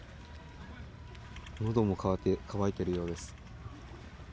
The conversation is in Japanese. のども乾いているようです。